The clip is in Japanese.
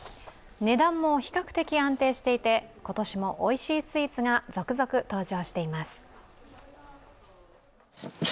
値段も比較的安定していて今年もおいしいスイーツが続々、登場しています。